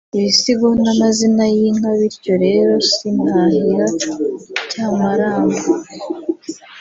ibisigo n’amazina y’inka bityo rero sintahira cyamaramba